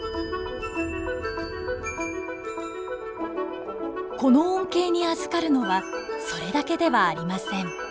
この恩恵にあずかるのはそれだけではありません。